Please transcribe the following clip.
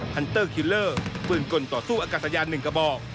ฮันเตอร์คิลเลอร์ปืนกลต่อสู้อากาศยาน๑กระบอก